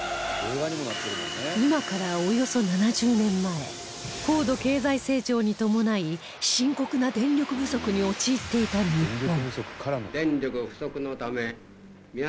今からおよそ７０年前高度経済成長に伴い深刻な電力不足に陥っていた日本